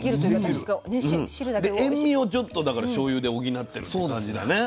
で塩味をちょっとしょうゆで補ってるって感じだね。